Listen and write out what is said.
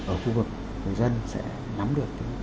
ở khu vực người dân sẽ nắm được